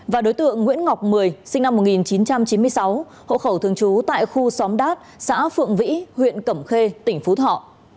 và đối tượng nguyễn ngọc mười sinh năm một nghìn chín trăm chín mươi sáu hộ khẩu thường trú tại khu xóm đát xã phượng vĩ huyện cẩm khê tỉnh phú thọ